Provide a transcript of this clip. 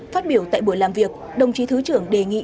phát biểu tại buổi làm việc đồng chí thứ trưởng đề nghị